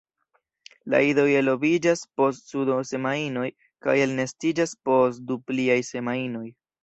La idoj eloviĝas post du semajnoj kaj elnestiĝas post du pliaj semajnoj.